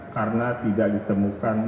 karena tidak ditemukan